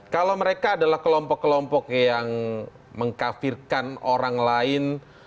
kalau mereka adalah kelompok kelompok yang mengkafirkan orang lain